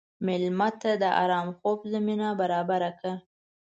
مېلمه ته د ارام خوب زمینه برابره کړه.